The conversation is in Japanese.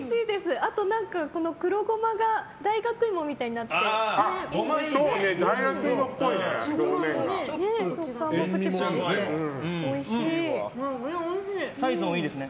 あと黒ゴマが大学いもみたいになってていいですね。